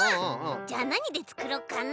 じゃあなにでつくろうかな。